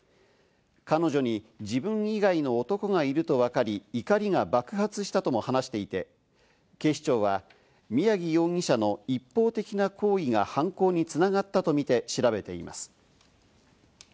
彼女に自分以外の男がいると分かり、怒りが爆発したとも話していて、警視庁は宮城容疑者の一方的な好意が犯行に繋がったとみて調べています。